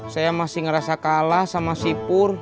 saya masih ngerasa kalah sama sipur